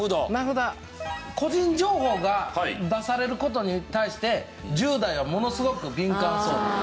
個人情報が出される事に対して１０代はものすごく敏感そう。